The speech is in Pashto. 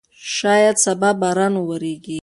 شاید سبا باران وورېږي.